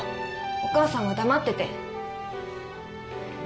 お母さんは黙ってて。